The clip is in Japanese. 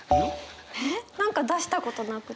何か出したことなくて。